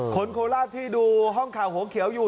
โคราชที่ดูห้องข่าวหัวเขียวอยู่